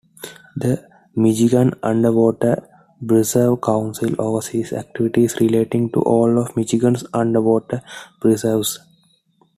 The Michigan Underwater Preserve Council oversees activities relating to all of Michigan's Underwater Preserves.